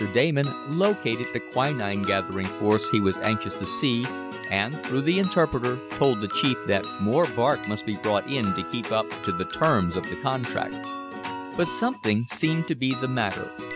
Damon located the quinine gathering force he was anxious to see, and, through the interpreter, told the chief that more bark must be brought in to keep up to the terms of the contract. But something seemed to be the matter.